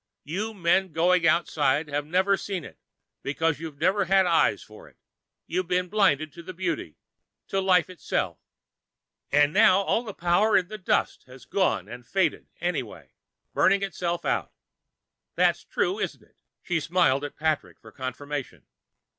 "You men going outside have never seen it, because you've never had eyes for it. You've been blinded to beauty, to life itself. And now all the power in the dust has gone and faded, anyway, burned itself out. That's true, isn't it?" She smiled at Patrick for confirmation.